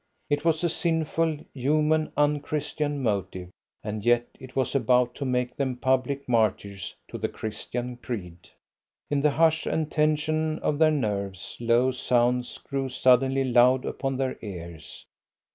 It was a sinful, human, un Christian motive, and yet it was about to make them public martyrs to the Christian creed. In the hush and tension of their nerves low sounds grew suddenly loud upon their ears.